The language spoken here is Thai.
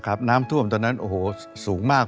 น้ำท่วมตอนนั้นโอ้โหสูงมาก